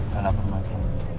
gak lah permadi